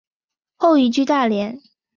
后移居大连。